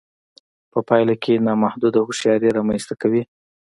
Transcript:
په پايله کې نامحدوده هوښياري رامنځته کوي.